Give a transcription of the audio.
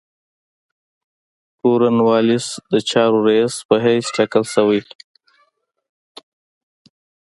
کورن والیس د چارو رییس په حیث تاکل شوی.